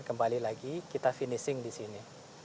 kembali lagi kita finishing di sini